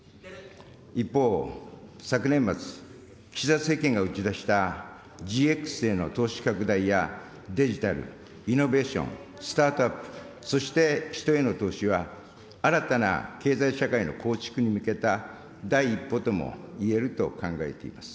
一方、昨年末、岸田政権が打ち出したＧＸへの投資拡大や、デジタル、イノベーション、スタートアップ、そして人への投資は、新たな経済社会の構築に向けた第一歩とも言えると考えています。